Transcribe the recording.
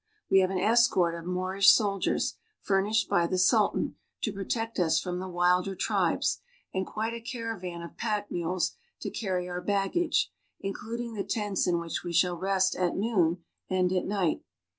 We have an escort of Moorish soldiers, furnished by the Sultan, to protect us from the wilder tribes, and quite a caravan of pack mules to carry our baggage, including the tents in which we shall rest at noon and at night.